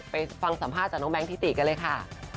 ไปฟังสัมภาษณ์จากน้องแก๊งทิติกันเลยค่ะ